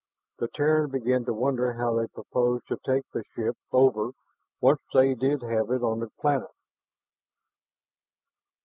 The Terran began to wonder how they proposed to take the ship over once they did have it on planet.